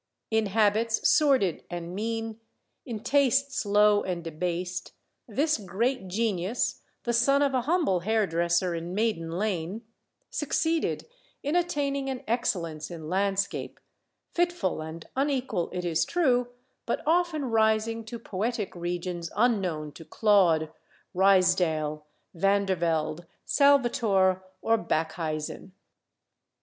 In habits sordid and mean, in tastes low and debased, this great genius, the son of a humble hairdresser in Maiden Lane, succeeded in attaining an excellence in landscape, fitful and unequal it is true, but often rising to poetic regions unknown to Claude, Ruysdael, Vandervelde, Salvator, or Backhuysen.